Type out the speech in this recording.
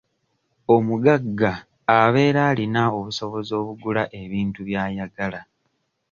Omugagga abeera alina obusobozi obugula ebintu by'ayagala.